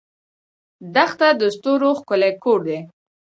دښته د ستورو ښکلی کور دی.